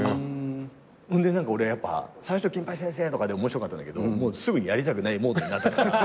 そんで何か俺やっぱ最初金八先生！とかで面白かったんだけどすぐにやりたくないモードになったから。